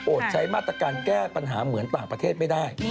โอบใช้มาตรกรรมแก้ปัญหาเมืองต่างประเทศไปได้